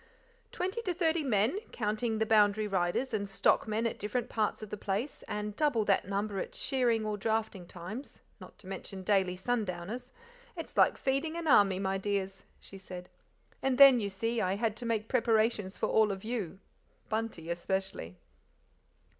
"Twenty to thirty men, counting the boundary riders and stockmen at different parts of the place; and double that number at shearing or drafting times, not to mention daily sundowners it's like feeding an army, my dears," she said; "and then, you see, I had to make preparations for all of you Bunty especially."